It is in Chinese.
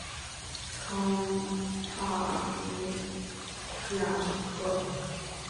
康帕尼亚克。